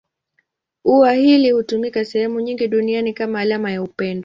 Ua hili hutumika sehemu nyingi duniani kama alama ya upendo.